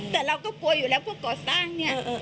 เพราะจะกลัวอยู่แล้วเพราะก่อสร้าง